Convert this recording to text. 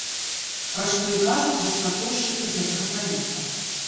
Пра што і кажуць распрацоўшчыкі гэтага праекта.